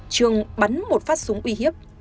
trường bắn một phát súng uy hiếp